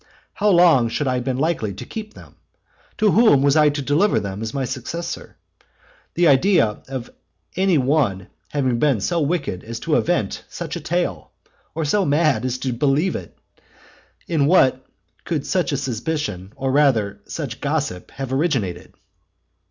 How long should I have been likely to keep them? to whom was I to deliver them as my successor? The idea of any one having been so wicked as to invent such a tale! or so mad as to believe it! In what could such a suspicion, or rather such gossip, have originated?